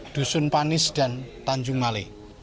dusun panis dan tanjung male